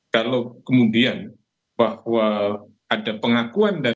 kalau kemudian bahwa ada pengakuan